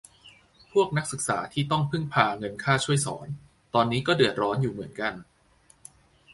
พวกนักศึกษาที่ต้องพึ่งพาเงินค่าช่วยสอนตอนนี้ก็เดือดร้อนอยู่เหมือนกัน